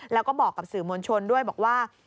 แล้วก็บอกกับสื่อมวลชนด้วยบอกว่า